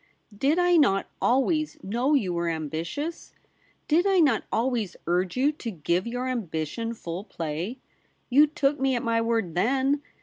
' Did I not always know you were ambitious? Did I not always urge you to give your ambi tion full play ? You took me at my word then